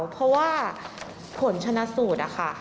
เพราะว่าผลชนะสูตรอะค่ะ